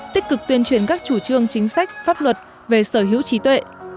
tích cực tuyên truyền các chủ trương chính sách pháp luật về sở hữu trí tuệ